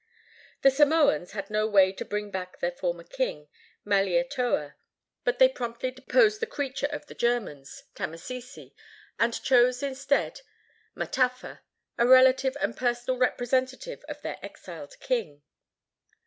The Samoans had no way to bring back their former king, Malietoa; but they promptly deposed the creature of the Germans, Tamasese, and chose instead Mataafa, a relative and personal representative of their exiled king.